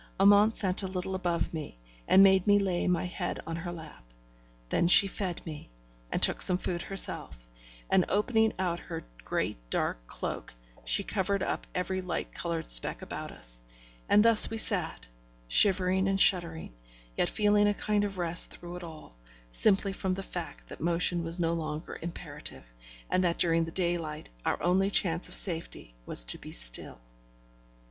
Amante sat a little above me, and made me lay my head on her lap. Then she fed me, and took some food herself; and opening out her great dark cloak, she covered up every light coloured speck about us; and thus we sat, shivering and shuddering, yet feeling a kind of rest through it all, simply from the fact that motion was no longer imperative, and that during the daylight our only chance of safety was to be still.